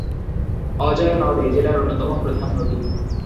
অজয় নদ এই জেলার অন্যতম প্রধান নদী।